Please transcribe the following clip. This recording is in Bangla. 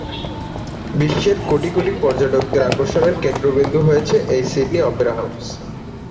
বিশ্বের কোটি কোটি পর্যটকদের আকর্ষণের কেন্দ্রবিন্দু হয়েছে এই সিডনি অপেরা হাউজ।